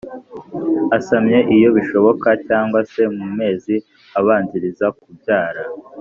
asamye iyo bishoboka cyangwa se mu mezi abanziriza kubyara